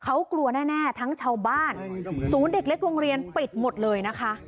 เขากลัวแน่ทั้งชาวบ้านศูนย์เด็กเล็กโรงเรียนปิดหมดเลยนะคะ